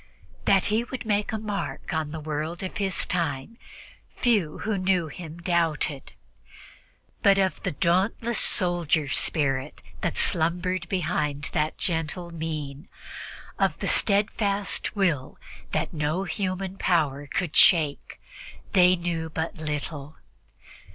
That he would make his mark on the world of his time, few who knew him doubted; but of the dauntless soldier spirit that slumbered behind that gentle mien, of the steadfast will that no human power could shake, they knew but little.